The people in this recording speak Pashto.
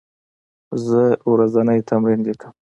زه ورځنی تمرین لیکم.